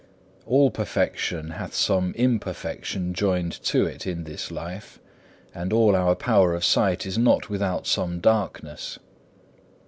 4. All perfection hath some imperfection joined to it in this life, and all our power of sight is not without some darkness.